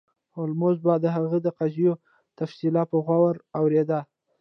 هولمز به د هغه د قضیو تفصیل په غور اوریده.